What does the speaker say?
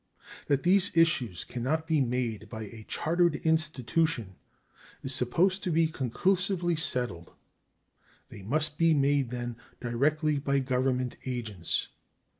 That these issues can not be made by a chartered institution is supposed to be conclusively settled. They must be made, then, directly by Government agents.